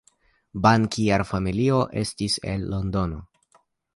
Bankierfamilio estis el Londono.